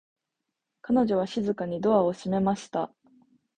彼女は静かにドアを閉めました。